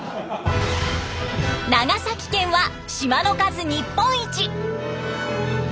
長崎県は島の数日本一！